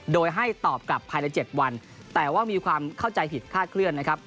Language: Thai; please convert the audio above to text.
โดยให้ตอบกลับภายใน๗วันแต่ว่ามีความเข้าใจผิดคาดเคลื่อนนะครับ